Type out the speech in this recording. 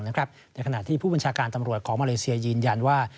ในขณะที่ผู้บัญชาการตำรวจของมาเลเซียยืนยันว่า